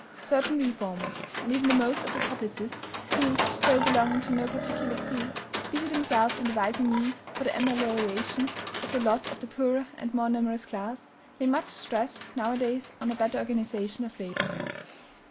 Certain reformers, and even the most of the publicists who, though belonging to no particular school, busy themselves in devising means for the amelioration of the lot of the poorer and more numerous class lay much stress now a days on a better organization of labor.